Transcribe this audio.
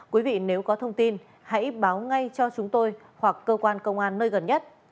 quý vị nếu có thông tin hãy báo ngay cho chúng tôi hoặc cơ quan công an nơi gần nhất